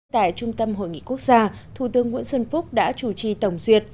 tại trung tâm hội nghị quốc gia thủ tướng nguyễn xuân phúc đã chủ trì tổng duyệt